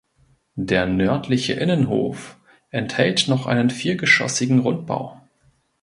Der nördliche Innenhof enthält noch einen viergeschossigen Rundbau.